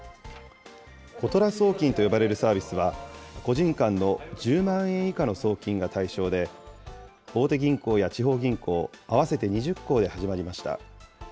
ことら送金と呼ばれるサービスは、個人間の１０万円以下の送金が対象で、大手銀行や地方銀行、合わせて２０行で始まりました。